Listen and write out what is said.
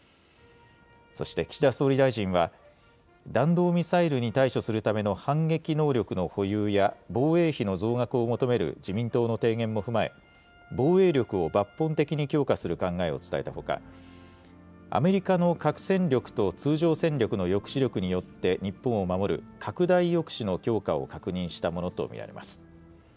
そして、岸田総理大臣は、弾道ミサイルに対処するための反撃能力の保有や、防衛費の増額を求める自民党の提言も踏まえ、防衛力を抜本的に強化する考えを伝えたほか、アメリカの核戦力と通常戦力の抑止力によって日本を守る拡大抑止の強化を確認したものと見られます。